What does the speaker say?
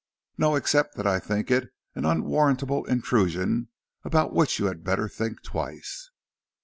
"No, except that I think it an unwarrantable intrusion about which you had better think twice."